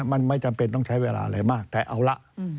มันไม่จำเป็นต้องใช้เวลาอะไรมากแต่เอาละ